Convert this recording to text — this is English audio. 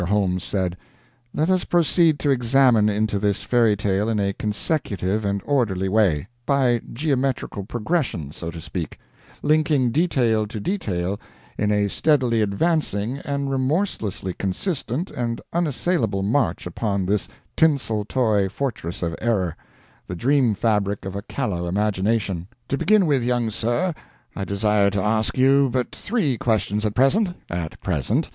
Holmes said, "Let us proceed to examine into this fairy tale in a consecutive and orderly way by geometrical progression, so to speak linking detail to detail in a steadily advancing and remorselessly consistent and unassailable march upon this tinsel toy fortress of error, the dream fabric of a callow imagination. To begin with, young sir, I desire to ask you but three questions at present at present.